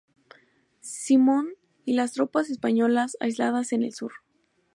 Simmons y las tropas españolas aisladas en el sur.